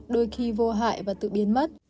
đôi khi vô hại và tự biến mất